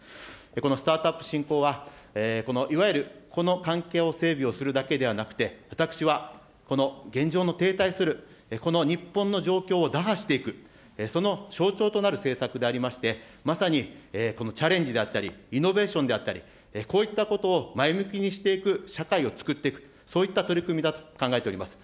このスタートアップ振興は、いわゆるこの関係を整備をするだけではなくて、私はこの現状の停滞する、この日本の状況を打破していく、その象徴となる政策でありまして、まさに、このチャレンジであったり、イノベーションであったり、こういったことを前向きにしていく社会を作っていく、そういった取り組みだと考えております。